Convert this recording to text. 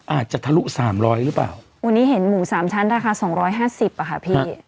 ทะลุสามร้อยหรือเปล่าวันนี้เห็นหมูสามชั้นราคาสองร้อยห้าสิบอ่ะค่ะพี่